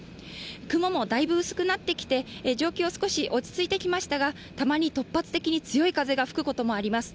雲もだいぶ薄くなってきて状況、落ち着いてきましたがたまに突発的に強い風が吹くこともあります。